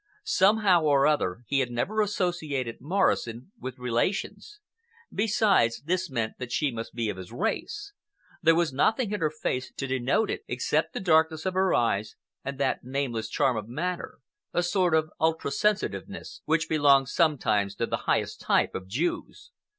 Somehow or other, he had never associated Morrison with relations. Besides, this meant that she must be of his race. There was nothing in her face to denote it except the darkness of her eyes, and that nameless charm of manner, a sort of ultra sensitiveness, which belongs sometimes to the highest type of Jews.